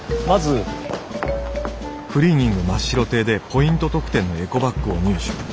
まずクリーニング真っ白亭でポイント特典のエコバッグを入手。